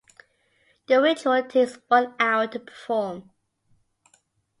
The ritual takes one hour to perform.